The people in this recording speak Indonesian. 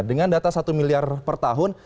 dengan data satu miliar per tahun